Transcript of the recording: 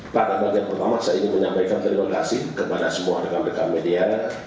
pada bagian pertama saya ingin menyampaikan terima kasih kepada semua rekan rekan media